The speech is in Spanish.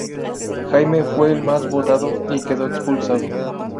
Jaime fue el más votado y quedó expulsado.